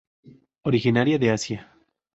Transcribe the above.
Originaria de Asia.